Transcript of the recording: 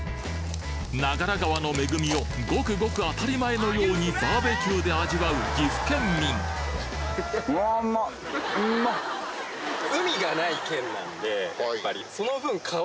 長良川の恵みをごくごく当たり前のようにバーベキューで味わう岐阜県民やっぱり。